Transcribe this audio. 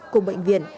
cùng bệnh viện